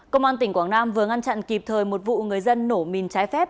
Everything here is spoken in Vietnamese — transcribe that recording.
công an tỉnh quảng nam vừa ngăn chặn kịp thời một vụ người dân nổ mìn trái phép